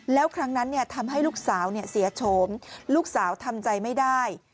แล้วครั้งนั้นทำให้ลูกสาวเสียโฉมลูกสาวทำใจไม่ได้